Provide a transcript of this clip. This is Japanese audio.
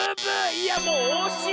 いやもうおしい！